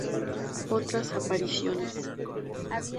Otras Apariciones